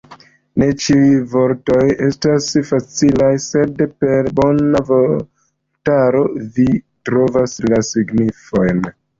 Ne ĉiuj vortoj estas facilaj, sed per bona vortaro, vi trovos la signifojn.